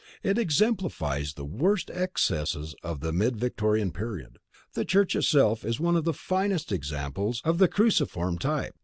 It exemplifies the worst excesses of the mid Victorian period. The church itself is one of the finest examples of the cruciform type.